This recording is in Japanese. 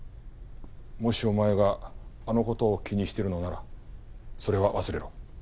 もしお前があの事を気にしているのならそれは忘れろ。